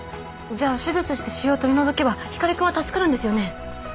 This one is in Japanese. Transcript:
じゃあ手術して腫瘍を取り除けば光君は助かるんですよね？